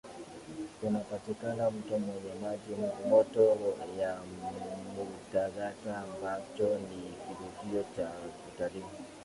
Kunapatikana mto wenye maji moto ya Mutagata ambacho ni kivutio cha utalii